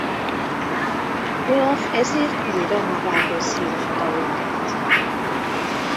Olaf ezért újra magához hívatta őket.